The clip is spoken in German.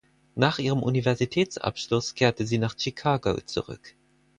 Nach ihrem Universitätsabschluss kehrte sie nach Chicago zurück.